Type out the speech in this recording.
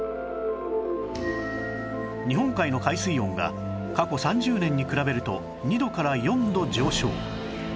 日本海の海水温が過去３０年に比べると２度から４度上昇